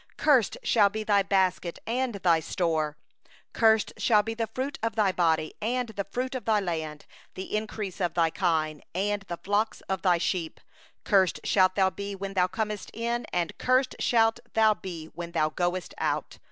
17Cursed shall be thy basket and thy kneading trough. 18Cursed shall be the fruit of thy body, and the fruit of thy land, the increase of thy kine, and the young of thy flock. 19Cursed shalt thou be when thou comest in, and cursed shalt thou be when thou goest out.